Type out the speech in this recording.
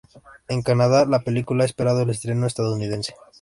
En Canadá, la película ha esperado el estreno estadounidense.